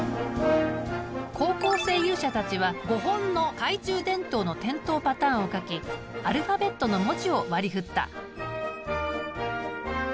高校生勇者たちは５本の懐中電灯の点灯パターンを描きアルファベットの文字を割り振った。